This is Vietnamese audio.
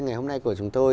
ngày hôm nay của chúng tôi